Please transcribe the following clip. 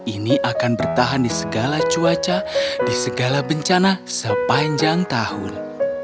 ini akan bertahan di segala cuaca di segala bencana sepanjang tahun